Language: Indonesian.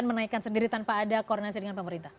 menaikkan sendiri tanpa ada koordinasi dengan pemerintah